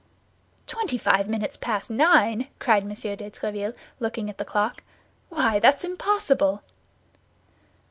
"Twenty five minutes past nine!" cried M. de Tréville, looking at the clock; "why, that's impossible!"